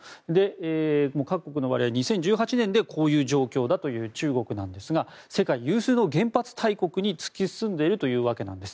各国の割合は２０１８年でこういう状況で中国なんですが世界有数の原発大国に突き進んでいるんです。